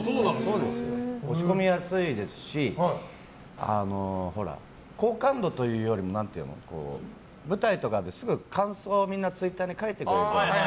落ち込みやすいですし好感度というよりも舞台とかですごい感想みんなツイッターに書いてくれるじゃないか。